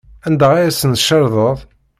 Anda ay asen-tcerḍeḍ?